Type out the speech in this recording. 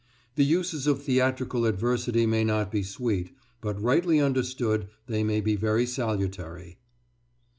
The uses of theatrical adversity may not be sweet, but rightly understood they may be very salutary.